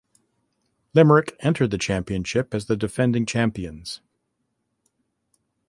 Limerick entered the championship as the defending champions.